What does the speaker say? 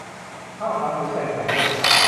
ข้าวขาหมู ใส่ไข่ด้วย